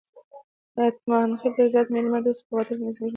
اتمانخېل ډېر زیات میلمه دوست، په وطن او مذهب مېین خلک دي.